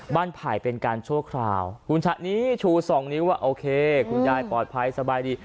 บ้านไผ่เป็นการโชว์คลาวคุณฉะนี้ชูสองนิ้วว่าคุณยายปลอดภัยสบายดี